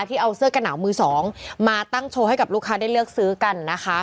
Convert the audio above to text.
ที่เอาเสื้อกระหนาวมือสองมาตั้งโชว์ให้กับลูกค้าได้เลือกซื้อกันนะคะ